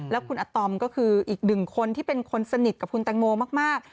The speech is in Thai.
แล้วคุณอาตอมก็คืออีกหนึ่งคนที่เป็นคนสนิทกับคุณแตงโมมาก